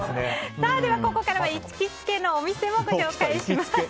ここからは行きつけのお店をご紹介します。